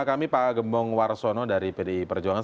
kami pak gembong warsono dari pdi perjuangan